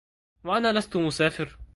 وأنا لست مسافر